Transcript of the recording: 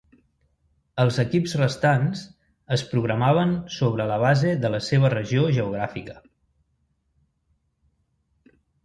Els equips restants es programaven sobre la base de la seva regió geogràfica.